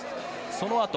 そのあと。